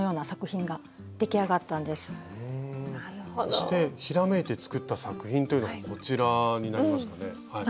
そしてひらめいて作った作品というのがこちらになりますかね。